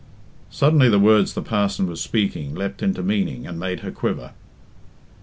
Suddenly the words the parson was speaking leapt into meaning and made her quiver.